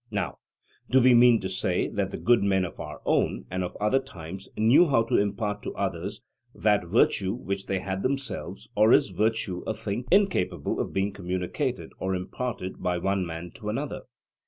Now, do we mean to say that the good men of our own and of other times knew how to impart to others that virtue which they had themselves; or is virtue a thing incapable of being communicated or imparted by one man to another?